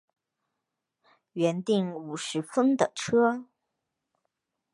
原订五十分的车